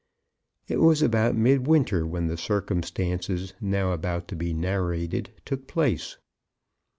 It was about midwinter when the circumstances now about to be narrated took place.